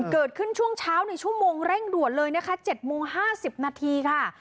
เกิดขึ้นช่วงเช้าในชั่วโมงเร่งด่วนเลยนะคะ๗โมง๕๐นาทีค่ะ